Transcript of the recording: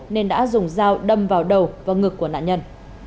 nên đã dùng dao đâm vào đầu và ngực của nạn nhân